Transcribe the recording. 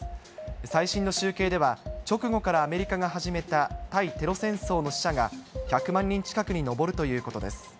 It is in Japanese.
最新の集計では、直後からアメリカが始めた対テロ戦争の死者が、１００万人近くに上るということです。